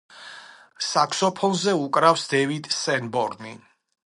საქსოფონზე უკრავს დევიდ სენბორნი.